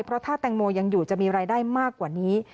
เพราะถ้าแตงโมยังอยู่จะมีรายได้มากกว่านี้